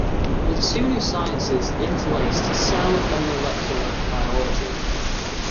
The two new sciences interlaced, "cell and molecular biology".